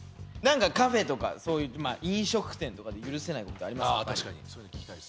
何かカフェとか飲食店とかで許せないことってありますか？